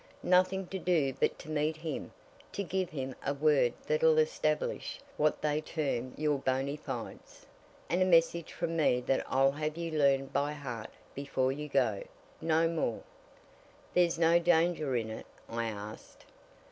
"Nothing to do but to meet him, to give him a word that'll establish what they term your bony fides, and a message from me that I'll have you learn by heart before you go. No more!" "There's no danger in it?" I asked.